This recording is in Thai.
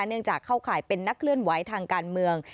เนื่องจากเข้าข่ายเป็นนักเคลื่อนไหวทางการเมือง